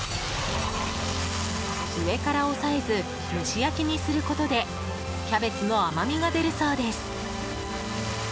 上から押さえず蒸し焼きにすることでキャベツの甘みが出るそうです。